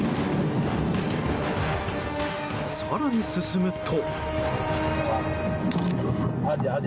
更に進むと。